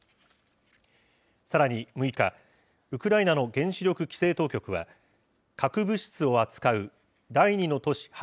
さらに６日、ウクライナの原子力規制当局は、核物質を扱う第２の都市